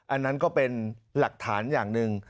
อันนั้นก็เป็นหลักฐานอย่างหนึ่ง